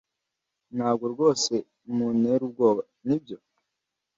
Ntabwo rwose muntera ubwoba, nibyo?